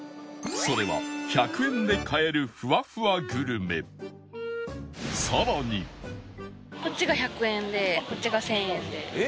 それは１００円で買えるこっちが１００円でこっちが１０００円で。